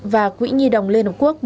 và quỹ nhi đồng liên hợp quốc